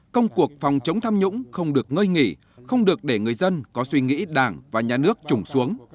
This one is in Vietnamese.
công cuộc phòng chống tham nhũng không được ngơi nghỉ không được để người dân có suy nghĩ đảng và nhà nước trùng xuống